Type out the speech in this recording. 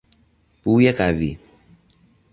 بوی قوی